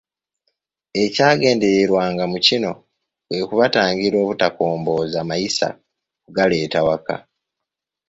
Ekyagendererwanga mu kino kwe kubatangira obutakombooza mayisa kugaleeta waka.